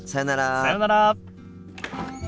さようなら。